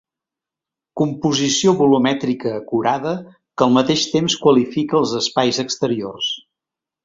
Composició volumètrica acurada que al mateix temps qualifica els espais exteriors.